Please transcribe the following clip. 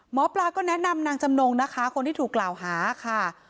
หมอปลาก็แนะนำนางจำนงนะคะคนที่ถูกกล่าวหาค่ะ